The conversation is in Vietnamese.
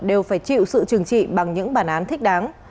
đều phải chịu sự trừng trị bằng những bản án thích đáng